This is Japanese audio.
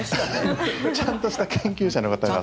ちゃんとした研究者の方が。